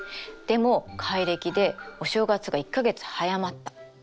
でも改暦でお正月が１か月早まった。